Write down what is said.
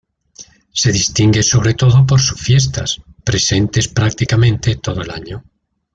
Se distingue sobre todo por sus fiestas; presentes prácticamente todo el año.